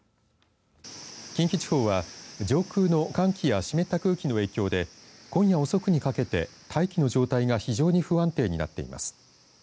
近畿地方は上空の寒気や湿った空気の影響で今夜遅くにかけて大気の状態が非常に不安定になっています。